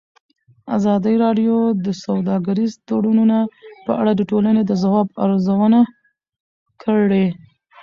ازادي راډیو د سوداګریز تړونونه په اړه د ټولنې د ځواب ارزونه کړې.